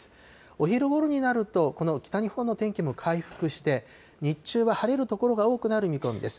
お昼ごろになると、この北日本の天気も回復して、日中は晴れる所が多くなる見込みです。